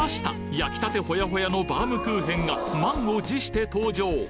焼きたてホヤホヤのバームクーヘンが満を持して登場！